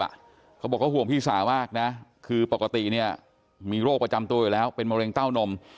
เขาบอกเขาห่วงพี่สาวมากนะคือปกติเนี่ยมีโรคประจำตัวอยู่แล้วเป็นมะเร็งเต้านม